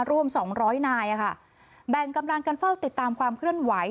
รวมสองร้อยนายค่ะแบ่งกำลังกันเฝ้าติดตามความเคลื่อนไหว